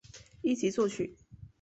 一级作曲。